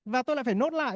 và tôi lại phải nốt lại